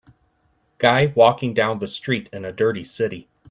Guy walking down the street in a dirty city.